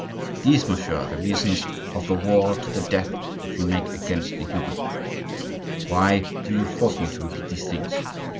These, monsieur, are the reasons of the war to the death which we make against the Huguenots. Why do you force me to repeat these things?